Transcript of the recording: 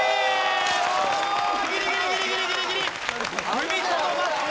踏みとどまった！